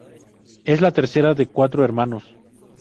Es la tercera de cuatro hermanos.